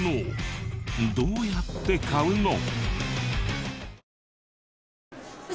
どうやって買うの？